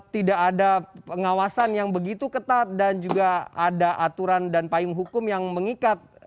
tidak ada pengawasan yang begitu ketat dan juga ada aturan dan payung hukum yang mengikat